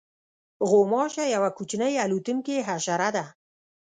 غوماشه یوه کوچنۍ الوتونکې حشره ده.